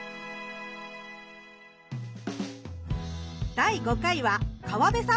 第５回は川辺さんぽ。